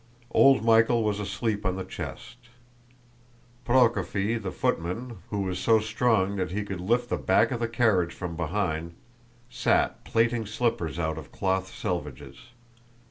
Old Michael was asleep on the chest. Prokófy, the footman, who was so strong that he could lift the back of the carriage from behind, sat plaiting slippers out of cloth selvedges.